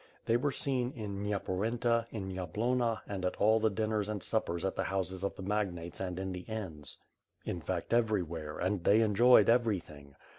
They were seen in Nyepor enta in Yablonna and at all the dinners and suppers at the houses of the magnates and in the inns; in fact everywhere, and they enjoyed everything.